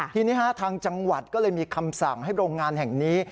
ทีนี้ทางจังหวัดก็เลยมีคำสั่งให้โรงงานแห่งนี้